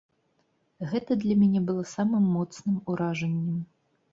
Гэта для мяне было самым моцным уражаннем.